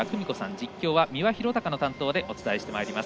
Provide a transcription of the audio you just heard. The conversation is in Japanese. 実況は三輪洋雄の担当でお伝えします。